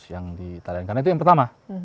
yang ditarikkan itu yang pertama